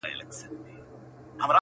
چا له نظره کړې د ښکلیو د مستۍ سندري!